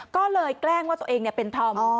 ก็เลยแกล้งว่าตัวเองเป็นธอม